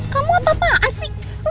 kamu apa apaan sih